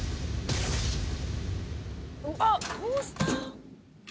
あっトースター？